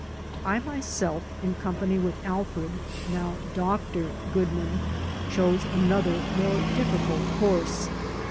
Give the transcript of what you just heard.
I myself, in company with Alfred (now Doctor) Goodman, chose another, more difficult, course.